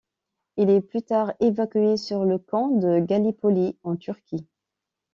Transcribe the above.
Il est plus tard évacué sur le camp de Gallipoli en Turquie.